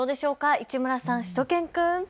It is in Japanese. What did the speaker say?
市村さん、しゅと犬くん。